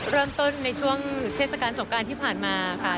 เริ่มต้นในช่วงเทศกาลสงการที่ผ่านมาค่ะ